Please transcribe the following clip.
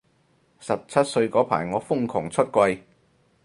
十七歲嗰排我瘋狂出櫃